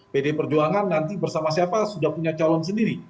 pdi perjuangan nanti bersama siapa sudah punya calon sendiri